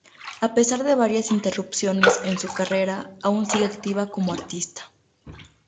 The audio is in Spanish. A pesar de varias interrupciones en su carrera, aún sigue activa como artista.